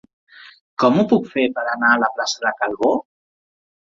Com ho puc fer per anar a la plaça de Calvó?